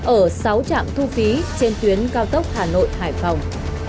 ở sáu trạm thu phí trên tuyến cao tốc hà nội hải phòng